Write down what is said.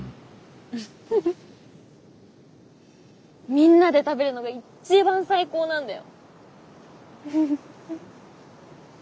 みんなで食べるのが一番最高なんだよ。